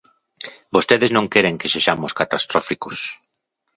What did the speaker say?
Vostedes non queren que sexamos catastróficos.